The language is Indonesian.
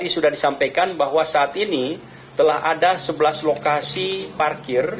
sudah disampaikan bahwa saat ini telah ada sebelas lokasi parkir